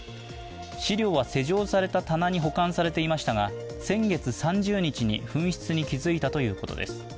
資料は施錠された棚に保管されていましたが、先月３０日に紛失に気付いたということです。